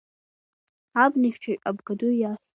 Абнахьчаҩ Абгаду ахь.